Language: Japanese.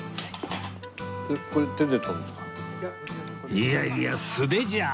いやいや素手じゃ